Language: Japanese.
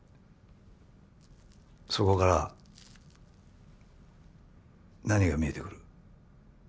そこから何が見えてくる？